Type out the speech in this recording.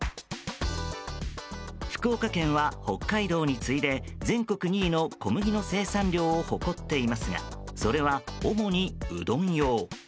福岡県は、北海道に次いで全国２位の小麦の生産量を誇っていますがそれは主にうどん用。